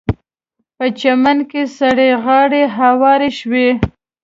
په چمن کې سرې غالۍ هوارې شوې.